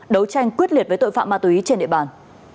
đấu tranh quyết liệt với tội phạm ma túy trên địa bàn